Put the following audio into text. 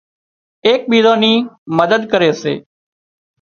ايڪ ٻيزان ني مدد ڪري سي